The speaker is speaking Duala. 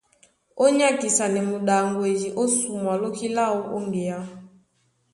Ó nyákisanɛ muɗaŋgwedi ó sumwa lóki láō ó ŋgeá.